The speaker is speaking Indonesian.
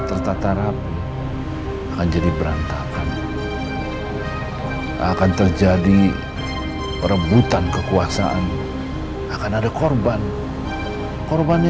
tertata rapi akan jadi berantakan akan terjadi perebutan kekuasaan akan ada korban korbannya